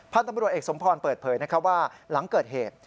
ตำรวจเอกสมพรเปิดเผยว่าหลังเกิดเหตุ